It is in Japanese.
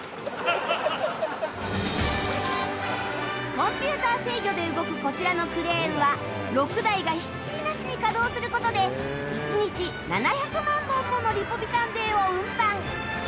コンピューター制御で動くこちらのクレーンは６台がひっきりなしに稼働する事で１日７００万本ものリポビタン Ｄ を運搬